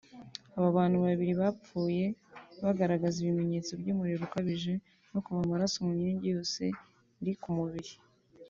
Abo bantu babiri bapfuye bagaragazaga ibimenyetso by’umuriro ukabije no kuva amaraso mu myenge yose iri ku mubiri